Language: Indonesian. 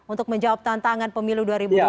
untuk menjawab tantangan pemilu dua ribu dua puluh